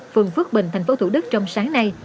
phường phước bình tp thủ đức trong sáng nay